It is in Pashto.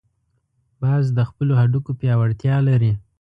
باز د خپلو هډوکو پیاوړتیا لري